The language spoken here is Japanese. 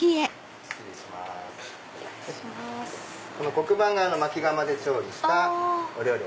黒板が薪窯で調理したお料理。